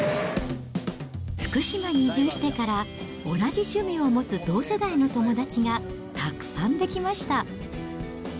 福島に移住してから同じ趣味を持つ同世代の友達がたくさん出来ました。